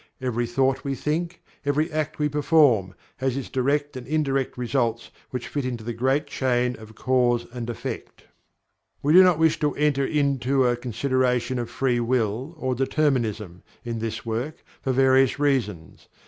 Every thought we think, every act we perform, has its direct and indirect results which fit into the great chain of Cause and Effect. We do not wish to enter into a consideration of Free Will, or Determinism, in this work, for various reasons.